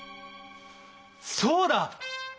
そうだ！